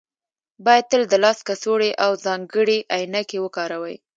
باید تل د لاس کڅوړې او ځانګړې عینکې وکاروئ